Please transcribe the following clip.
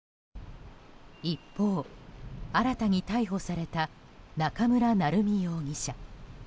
一方、新たに逮捕された中村成美容疑者。